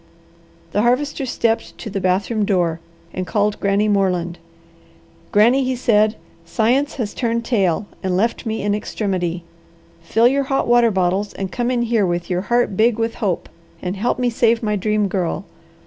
The Harvester stepped to the bathroom door and called Granny Moreland. "Granny," he said, "science has turned tail, and left me in extremity. Fill your hot water bottles and come in here with your heart big with hope and help me save my Dream Girl.